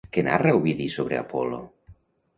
Què narra Ovidi sobre Apol·lo?